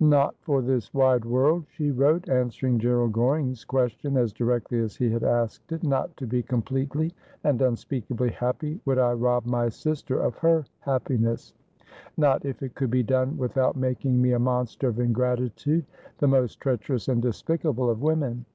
'Not for this wide world,' she wrote, answering Gerald G or ing's question as directly as he had asked it, ' not to be com pletely and unspeakably happy would I rob my sister of her happiness ; not if it could be done without making me a monster of ingratitude, the most treacherous and despicable of women.